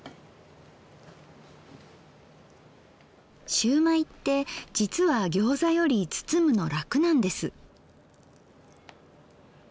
しゅうまいってじつはギョーザより包むの楽なんです。